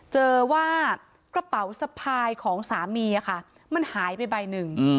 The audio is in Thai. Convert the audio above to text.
เจอว่ากระเป๋าสะพายของสามีค่ะมันหายไปใบหนึ่ง